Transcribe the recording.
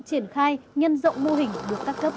triển khai nhân rộng mô hình được các cấp